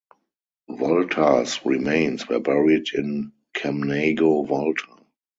Volta's remains were buried in Camnago Volta.